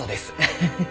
フフフ。